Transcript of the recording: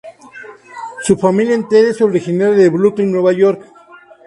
Su familia entera es originaria de Brooklyn, Nueva York.